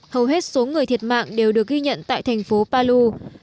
hầu hết số người thiệt mạng đều được ghi nhận tại thành phố palu